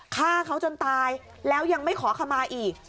ฆ่าเขาจนตายแล้วยังไม่ขอขมาอีก